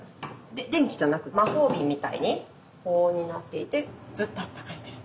電気じゃなく魔法瓶みたいに保温になっていてずっとあったかいです。